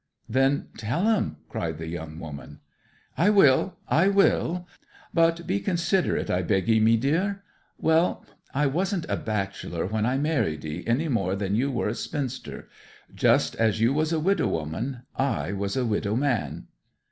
'Then tell 'em!' cried the young woman. 'I will I will. But be considerate, I beg 'ee, mee deer. Well I wasn't a bachelor when I married 'ee, any more than you were a spinster. Just as you was a widow woman, I was a widow man.